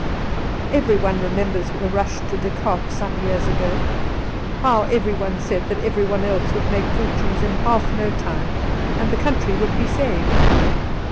Everyone remembers the rush to De Kaap some years ago. How everyone sdd that everyone else would make fortunes in half no time, and the country would be saved